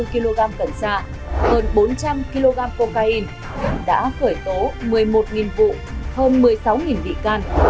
một trăm bảy mươi bốn kg cần sa hơn bốn trăm linh kg cocaine đã khởi tố một mươi một vụ hơn một mươi sáu vị can